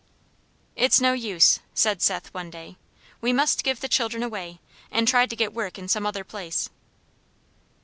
"It's no use," said Seth one day; "we must give the children away, and try to get work in some other place."